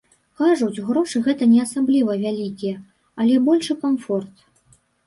Кажуць, грошы гэта не асабліва вялікія, але большы камфорт.